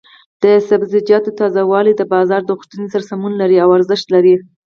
د سبزیجاتو تازه والي د بازار د غوښتنې سره سمون لري او ارزښت لري.